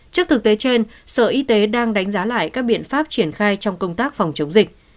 trước thực tế trên sở y tế đang đánh giá lại các biện pháp triển khai trong công tác phòng chống dịch